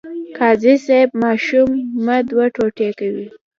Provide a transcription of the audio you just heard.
قاضي صیب ماشوم مه دوه ټوټې کوئ.